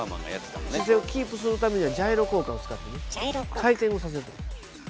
姿勢をキープするためにはジャイロ効果を使ってね回転をさせること。